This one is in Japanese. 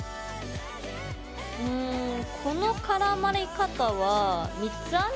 うんこの絡まり方は三つ編み？